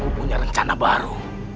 aku punya rencana baru